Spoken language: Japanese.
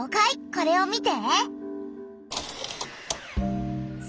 これを見て。